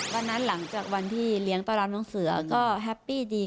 วันนั้นหลังจากวันที่เลี้ยงตาลัมนังเสือก็แฮปปี้ดี